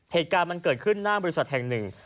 เหตุการณ์มันเกิดขึ้นหน้าบริษัทแห่งหนึ่ง